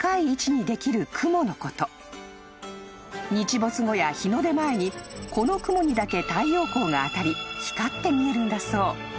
［日没後や日の出前にこの雲にだけ太陽光が当たり光って見えるんだそう］